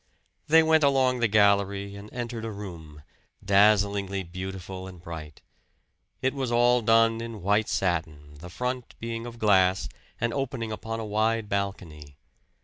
They went along the gallery and entered a room, dazzlingly beautiful and bright. It was all done in white satin, the front being of glass, and opening upon a wide balcony.